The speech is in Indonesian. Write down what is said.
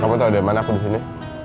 kamu tau dimana aku di sini